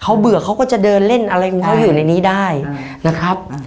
เขาเบื่อเขาก็จะเดินเล่นอะไรของเขาอยู่ในนี้ได้นะครับ